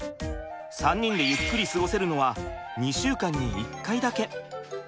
３人でゆっくり過ごせるのは２週間に１回だけ。